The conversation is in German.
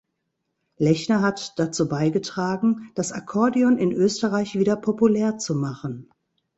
Lechner hat dazu beigetragen, das Akkordeon in Österreich wieder populär zu machen.